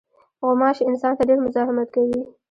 غوماشې انسان ته ډېر مزاحمت کوي.